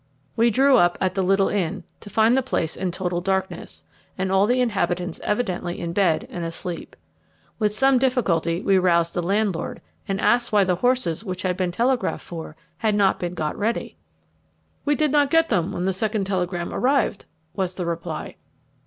We drew up at the little inn, to find the place in total darkness, and all the inhabitants evidently in bed and asleep. With some difficulty we roused the landlord, and asked why the horses which had been telegraphed for had not been got ready. "We did not get them when the second telegram arrived," was the reply.